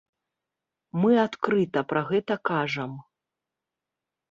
Мы адкрыта пра гэта кажам.